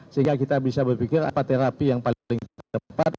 sehingga kita bisa berpikir apa terapi yang paling tepat